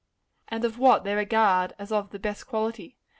and of what they regard as of the best quality.